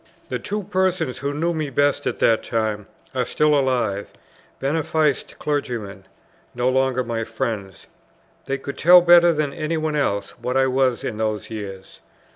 The two persons who knew me best at that time are still alive, beneficed clergymen, no longer my friends. They could tell better than any one else what I was in those years.